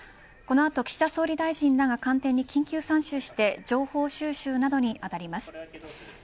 この後、岸田総理大臣らが官邸に緊急参集して情報収集などにあたります。